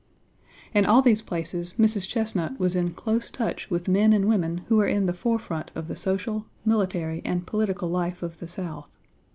In all these places Mrs. Chesnut was in close touch with men and women who were in the forefront of the Page xvi social, military, and political life of the South.